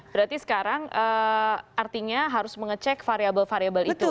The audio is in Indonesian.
berarti sekarang artinya harus mengecek variable variable itu